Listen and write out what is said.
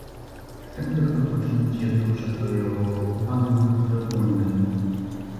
Chcę tylko poczynić jedną przekrojową uwagę natury ogólnej